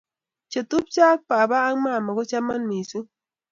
chetupcho ak baba ak mama kochaman mising